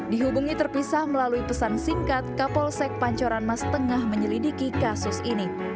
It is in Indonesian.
dihubungi terpisah melalui pesan singkat kapolsek pancoran mas tengah menyelidiki kasus ini